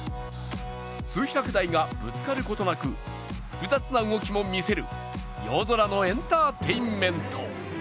数百台がぶつかることなく複雑な動きも見せる夜空のエンターテインメント。